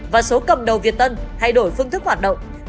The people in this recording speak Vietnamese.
và số cầm đầu việt tân thay đổi phương thức hoạt động